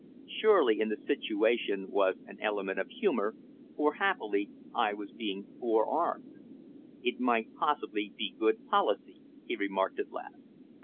Surely in the situation was an element of humour, for, happily, I was being forearmed. "It might possibly be good policy," he remarked at last.